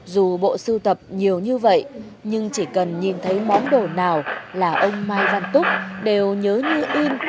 dù bộ siêu tập nhiều như vậy nhưng chỉ cần nhìn thấy món đồ nào là ông mai văn túc đều nhớ như in